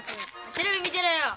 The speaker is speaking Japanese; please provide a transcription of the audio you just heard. テレビ見てろよ。